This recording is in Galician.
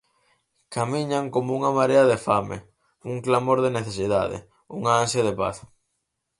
Camiñan como unha marea de fame, un clamor de necesidade, unha ansia de paz.